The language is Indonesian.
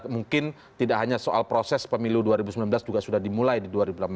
mungkin tidak hanya soal proses pemilu dua ribu sembilan belas juga sudah dimulai di dua ribu delapan belas